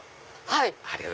はい！